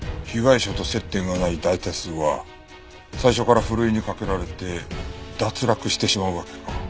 被害者と接点がない大多数は最初からふるいにかけられて脱落してしまうわけか。